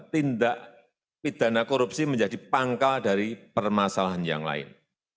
tindak pidana korupsi menjadi pangkal dari permasalahan yang lain